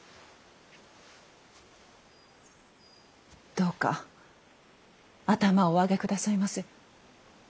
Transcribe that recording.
どうか頭をお上げ下さいませ。